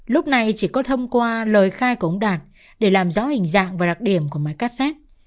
lúc này chỉ có thông qua lời khai của ông đạt để làm rõ hình dạng và đặc điểm của máy casset